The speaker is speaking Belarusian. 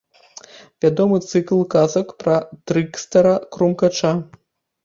Вядомы цыкл казак пра трыкстэра-крумкача.